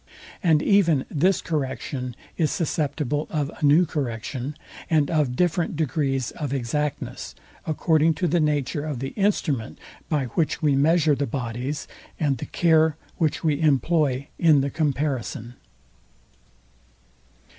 And even this correction is susceptible of a new correction, and of different degrees of exactness, according to the nature of the instrument, by which we measure the bodies, and the care which we employ in the comparison.